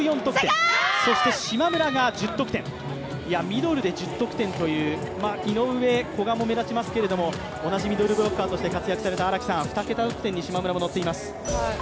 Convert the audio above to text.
ミドルで１０得点という、井上、古賀も目立ちますけど、同じミドルブロッカーとして活躍した荒木さん、２桁得点に島村も乗っています。